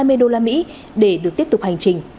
bảy trăm hai mươi usd để được tiếp tục hành trình